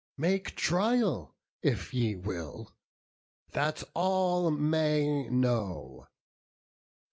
Make trial if ye will, that all may know.